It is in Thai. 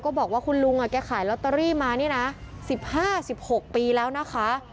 บอกว่าคุณลุงแกขายลอตเตอรี่มานี่นะ๑๕๑๖ปีแล้วนะคะ